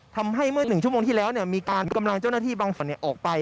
ทำให้เมื่อ๑ชั่วโมงที่แล้วมีการกำลังเจ้าหน้าที่บางส่วนออกไป